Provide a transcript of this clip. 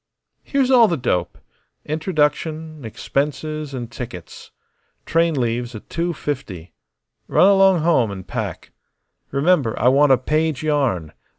Here's all the dope introduction, expenses, and tickets. Train leaves at two fifty. Run along home and pack. Remember, I want a page yarn.